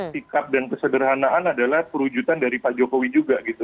sikap dan kesederhanaan adalah perwujudan dari pak jokowi juga gitu